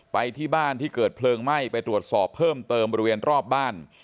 ไปที่บ้านที่เกิดเพลิงไหม้ไปตรวจสอบเพิ่มเติมบริเวณรอบบ้าน